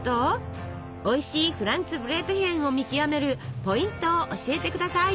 おいしいフランツブレートヒェンを見極めるポイントを教えて下さい！